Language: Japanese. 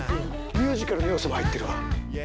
ミュージカルの要素も入ってるわ